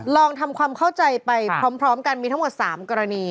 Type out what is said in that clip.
ลองทำความเข้าใจไปพร้อมกันมีทั้งหมด๓กรณี